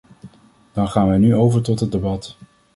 Dan gaan wij nu over tot het debat.